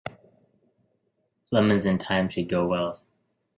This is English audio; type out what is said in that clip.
Lemons and thyme should go well.